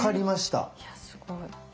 いやすごい。